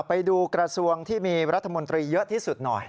ไปดูกระทรวงที่มีรัฐมนตรีเยอะที่สุดหน่อย